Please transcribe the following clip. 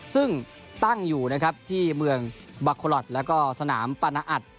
ซึ่งตั้งอยู่นะครับที่เมืองบาโคลอทแล้วก็สนามปานาอัด